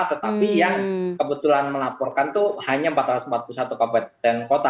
tetapi yang kebetulan melaporkan itu hanya empat ratus empat puluh satu kabupaten kota